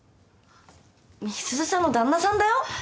美鈴さんの旦那さんだよ？